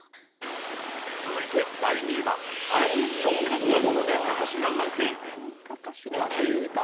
続いて第２位はあの超大物演歌歌手がランクイン